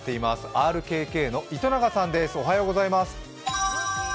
ＲＫＫの糸永さんです。